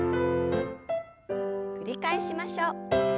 繰り返しましょう。